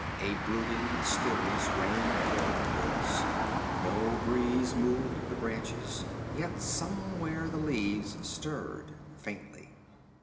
A brooding stillness reigned over the woods. No breeze moved the branches, yet somewhere the leaves stirred faintly.